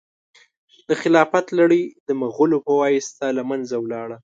د خلافت لړۍ د مغولو په واسطه له منځه ولاړه.